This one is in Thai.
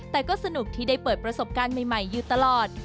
แต่ก็สนุกที่ได้เปิดประสบการณ์ใหม่อยู่ตลอด